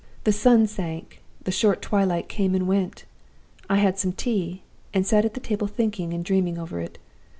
"The sun sank; the short twilight came and went. I had some tea, and sat at the table thinking and dreaming over it.